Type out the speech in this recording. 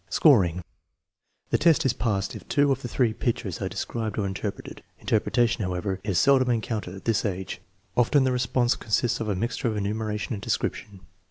Scoring. The test is passed if two of the three pictures are described or interpreted. Interpretation, however, is seldom encountered at this age. Often the response con sists of a mixture of enumeration and description.